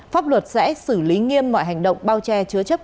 pháp luật sẽ xử lý nghiêm mọi hành động bao che chứa chấp